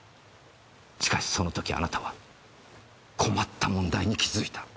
しかしその時あなたは困った問題に気づいた。